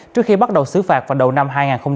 trước khi bắt đầu xứ phạt vào đầu năm hai nghìn hai mươi